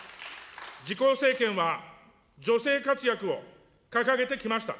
自公政権は女性活躍を掲げてきました。